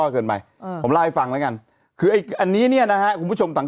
เกินไปเออผมเล่าให้ฟังแล้วกันคือไอ้อันนี้เนี่ยนะฮะคุณผู้ชมต่าง